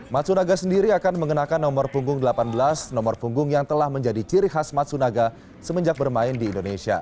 matsunaga sendiri akan mengenakan nomor punggung delapan belas nomor punggung yang telah menjadi ciri khas matsunaga semenjak bermain di indonesia